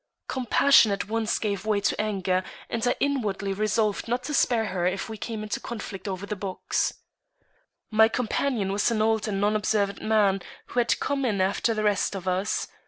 Compassion at once gave way to anger, and I inwardly resolved not to spare her if we came into conflict over the box. My companion was an old and non observant man, who had come in after the rest of us.